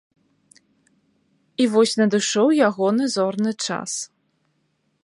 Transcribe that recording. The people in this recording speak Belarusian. І вось надышоў ягоны зорны час.